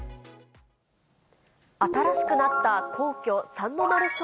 新しくなった皇居三の丸尚